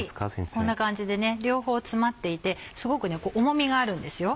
こんな感じで両方詰まっていてすごく重みがあるんですよ。